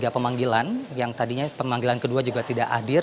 pemanggilan yang tadinya pemanggilan kedua juga tidak hadir